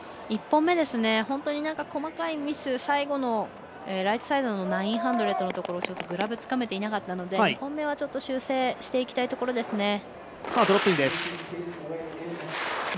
１本目、本当に細かいミス最後のライトサイドの９００のところグラブつかめていなかったので２本目はちょっと修正していきたいところですね。